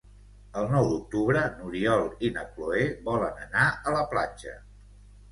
El nou d'octubre n'Oriol i na Cloè volen anar a la platja.